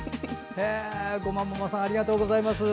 ごまママさんありがとうございます。